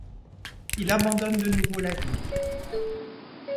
Il abandonne de nouveau la ville.